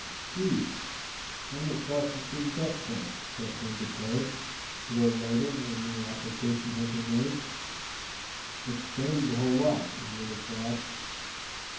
"Gee! don't it darken things up some," Step Hen declared, a little later, when the application had been made. "It stains a whole lot," admitted Thad.